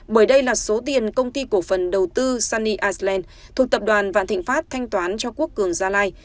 bởi đây là số tiền công ty cổ phần đầu tư sunny iceland thuộc tập đoàn vạn thịnh pháp thanh toán cho quốc cường gia lai